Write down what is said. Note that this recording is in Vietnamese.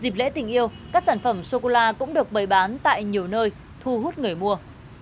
dịp lễ tình yêu các sản phẩm sô cô la cũng được bày bán tại nhiều nơi thu hút người mua